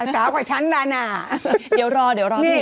สาวกว่าฉันด้านน่ะพี่เอามาตอบณเดี๋ยวรอกนี้